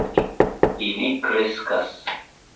Ili kreskas